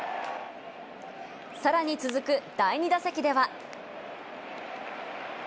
さらに続く第２打席では。